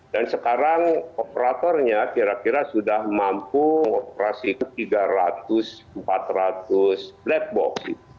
dan sekarang operatornya kira kira sudah mampu mengoperasikan tiga ratus empat ratus black box